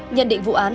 nhận định vụ án